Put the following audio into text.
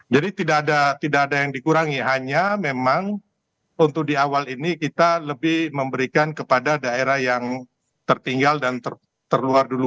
jadi tidak ada yang dikurangi hanya memang untuk di awal ini kita lebih memberikan kepada daerah yang tertinggal dan terluar dulu